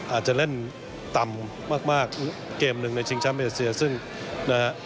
อาจจะเล่นต่ำมากเกมหนึ่งในชิงแชมป์เอเซียซึ่งนะฮะ